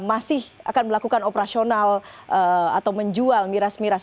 masih akan melakukan operasional atau menjual miras miras